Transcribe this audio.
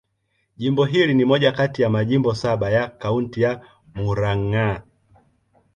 Jimbo hili ni moja kati ya majimbo saba ya Kaunti ya Murang'a.